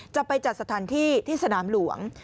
จะไปจัดสถานที่ที่สนามหลวง